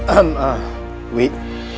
ehem ah wih